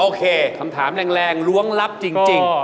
โอเคคำถามแรงร้องลับจริง